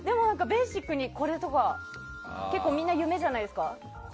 ベーシックにこれとかみんな夢じゃないですか？